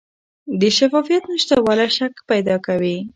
د شفافیت نشتوالی شک پیدا کوي